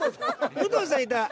武藤さんいた。